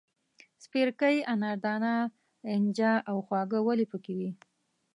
سپیرکۍ، اناردانه، اینجه او خواږه ولي پکې وې.